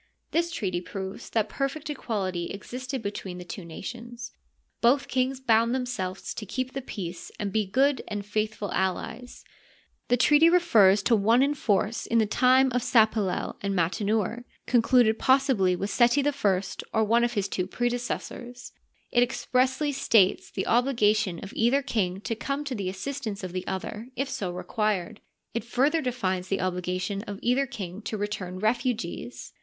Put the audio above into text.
This treaty proves that perfect equality existed between the two nations. Both kings bound themselves to keep the peace and be good and Kiithful allies. The treaty refers to one in force in the times of Sapalel and Mautenouer, con Digitized byCjOOQlC THE NINETEENTH DYNASTY. 91 eluded possibly with Seti I or one of his two predecessors* It expressly states the obligation of either king to come to the assistance of the other if so required. It further defines the obligation of either king to return refugees.